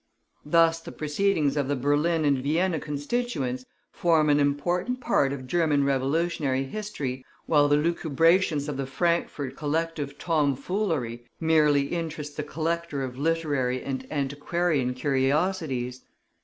Thus the proceedings of the Berlin and Vienna Constituents form an important part of German revolutionary history, while the lucubrations of the Frankfort collective tomfoolery merely interest the collector of literary and antiquarian curiosities.